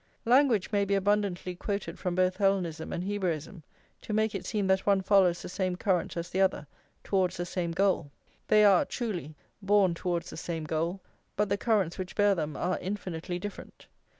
Language may be abundantly quoted from both Hellenism and Hebraism to make it seem that one follows the same current as the other towards the same goal. They are, truly, borne towards the same goal; but the currents which bear them are infinitely different.